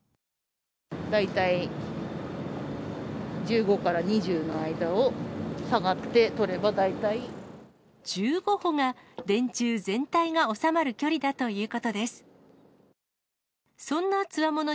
大体、１５から２０の間を下１５歩が、電柱全体が収まる距離だということです。